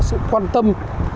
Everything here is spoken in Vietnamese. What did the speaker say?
sự quan tâm